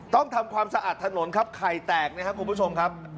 ต้องทำความสะอาดถนนครับไข่แตกนะครับคุณผู้ชมครับ